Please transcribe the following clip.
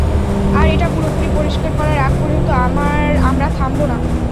আর এটা পুরোপুরি পরিষ্কার করার আগ পর্যন্ত আমরা থামব না।